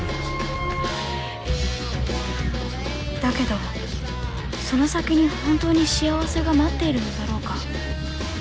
だけどその先に本当に幸せが待っているのだろうか。